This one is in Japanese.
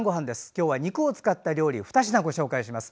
今日は肉を使った料理を２品ご紹介します。